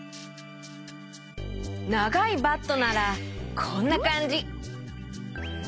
ながいバットならこんなかんじ。